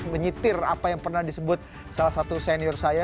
menyetir apa yang pernah disebut salah satu senior saya